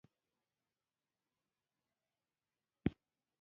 دوی په کوچنیوالي کې په یو بل مئین شول.